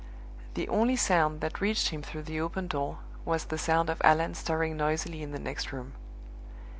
The only sound that reached him through the open door was the sound of Allan stirring noisily in the next room.